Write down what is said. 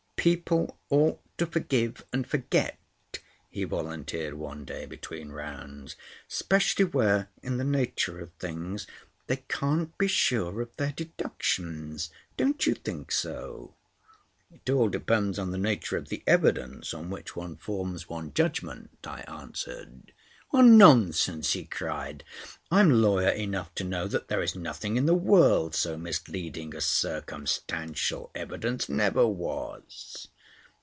"People ought to forgive and forget," he volunteered one day between rounds. "Specially where, in the nature of things, they can't be sure of their deductions. Don't you think so?" "It all depends on the nature of the evidence on which one forms one's judgment," I answered. "Nonsense!" he cried. "I'm lawyer enough to know that there's nothing in the world so misleading as circumstantial evidence. Never was."